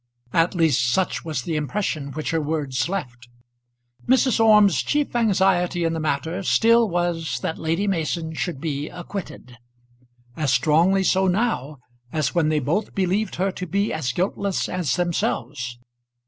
At least such was the impression which her words left. Mrs. Orme's chief anxiety in the matter still was that Lady Mason should be acquitted; as strongly so now as when they both believed her to be as guiltless as themselves.